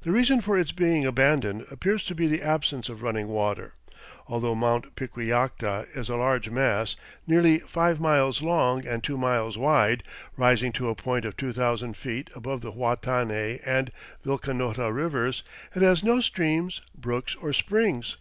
The reason for its being abandoned appears to be the absence of running water. Although Mt. Piquillacta is a large mass, nearly five miles long and two miles wide, rising to a point of 2000 feet above the Huatanay and Vilcanota rivers, it has no streams, brooks, or springs.